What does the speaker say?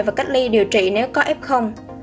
và cách ly điều trị nếu có ép không